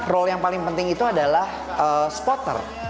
role yang paling penting itu adalah spotter